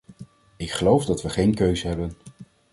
Ik geloof dat we geen keus hebben.